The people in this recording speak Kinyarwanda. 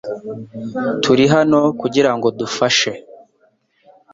Turi hano kugirango dufashe .